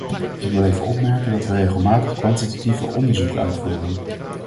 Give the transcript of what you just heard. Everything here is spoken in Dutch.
Ik wil even opmerken dat we regelmatig kwantitatieve onderzoeken uitvoeren.